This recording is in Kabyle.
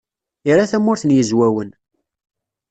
Ira Tamurt n Yizwawen.